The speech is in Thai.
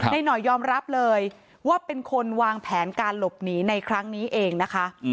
หน่อยยอมรับเลยว่าเป็นคนวางแผนการหลบหนีในครั้งนี้เองนะคะ